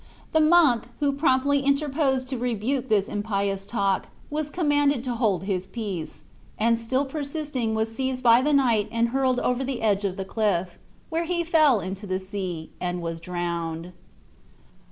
The monk, who promptly interposed to rebuke this impious talk, was commanded to hold his peace; and still persisting was seized by the knight and hurled over the edge of the cliff, where he fell into the sea, and was drowned.